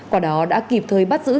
quả đó đã kịp thời bắt giữ